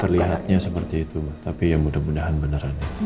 perlihatnya seperti itu mbak tapi imudah mudahan beneran ya